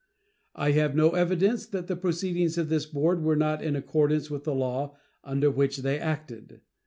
I have no evidence that the proceedings of this board were not in accordance with the law under which they acted.